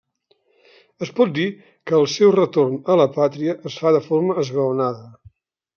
Es pot dir que el seu retorn a la pàtria es fa de forma esglaonada.